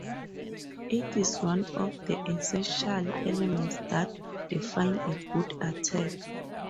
It is one of the essential elements that define a good attack.